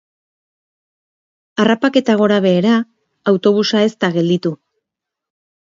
Harrapaketa gorabehera, autobusa ez da gelditu.